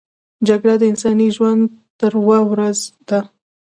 جګړه د انساني ژوند توره ورځ ده